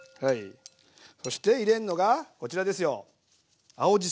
そして入れるのがこちらですよ青じそ。